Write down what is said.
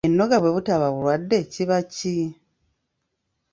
Ennoga bwe butaba bulwadde kiba ki?